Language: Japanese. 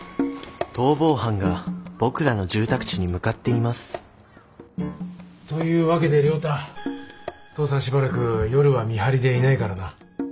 逃亡犯が僕らの住宅地に向かっていますというわけで亮太父さんしばらく夜は見張りでいないからな。